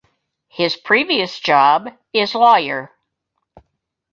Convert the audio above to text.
His previous job is lawyer.